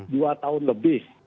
dua tahun lebih